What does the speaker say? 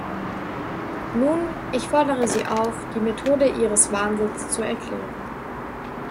Nun, ich fordere sie auf, die Methode ihres Wahnsinns zu erklären.